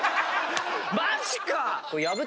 マジか！